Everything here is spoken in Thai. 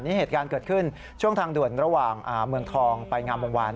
นี่เหตุการณ์เกิดขึ้นช่วงทางด่วนระหว่างเมืองทองไปงามวงวาน